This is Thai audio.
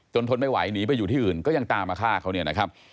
จนทนไม่ไหวหนีไปอยู่ที่อื่นก็ยังตามมาฆ่าเขา